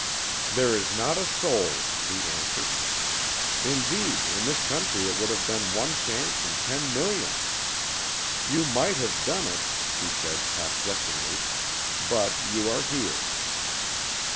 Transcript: "There is not a soul," he answered. "Indeed, in this country it would have been one chance in ten million. You might have done it," he said, half jestingly, "but you are here."